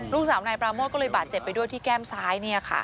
ลูกสาวนายปราโมทก็เลยบาดเจ็บไปด้วยที่แก้มซ้าย